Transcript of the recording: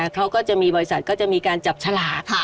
เขาก็จะมีบริษัทก็จะมีการจับฉลาก